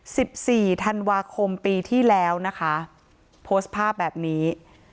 สิบสี่ธันวาคมปีที่แล้วนะคะโพสต์ภาพแบบนี้